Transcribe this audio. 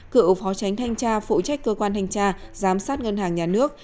cựu phó tránh thanh tra phụ trách cơ quan thanh tra giám sát ngân hàng nhà nước